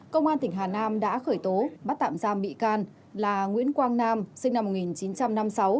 công an tỉnh hà nam đã khởi tố bắt tạm giam bị can là nguyễn quang nam sinh năm một nghìn chín trăm năm mươi sáu